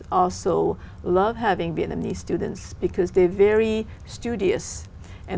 và tôi không nên quên khu vực học tập